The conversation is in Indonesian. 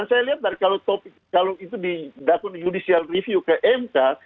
dan saya lihat dari kalau topik kalau itu didakun judicial review ke mk